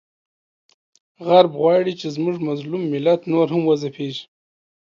غرب غواړي چې زموږ مظلوم ملت نور هم وځپیږي،